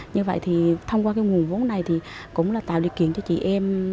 như vậy thì thông qua cái nguồn vốn này thì cũng là tạo điều kiện cho chị em